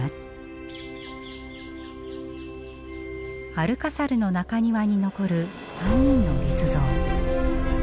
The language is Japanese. アルカサルの中庭に残る３人の立像。